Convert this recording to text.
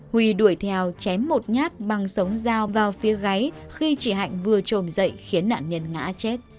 huy đuổi theo chém một nhát bằng sống dao vào phía gáy khi chị hạnh vừa trồm dậy khiến nạn nhân ngã chết